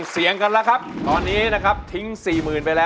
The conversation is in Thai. สู้